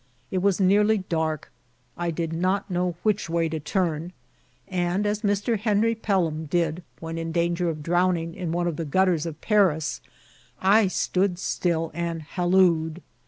It was nearly dark; I did not know which way to turn ; and as Mr. Henry Pelham did when in danger of drowning in one of the gutters of Paris, I stood still and hallooed.